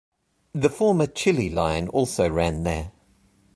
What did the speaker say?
The former Chili Line also ran there.